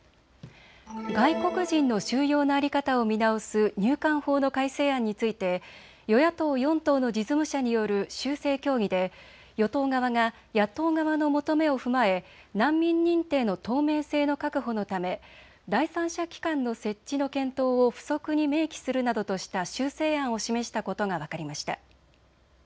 外国人の収容の在り方を見直す入管法の改正案について与野党４党の実務者による修正協議で与党側が野党側の求めを踏まえ難民認定の透明性の確保のため第三者機関の設置の検討を付則に明記するなどとした修正案を示したことが分かりました。